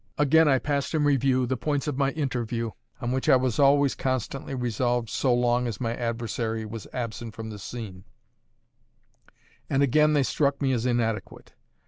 Again I passed in review the points of my interview, on which I was always constantly resolved so long as my adversary was absent from the scene: and again they struck me as inadequate.